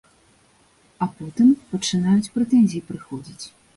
А потым пачынаюць прэтэнзіі прыходзіць.